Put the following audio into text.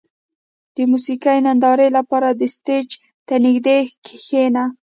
• د موسیقۍ نندارې لپاره د سټېج ته نږدې کښېنه.